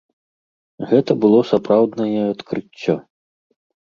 Гэта было сапраўднае адкрыццё.